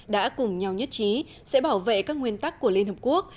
đã cùng nhau nhất trí sẽ bảo vệ các nguyên tắc của liên hợp quốc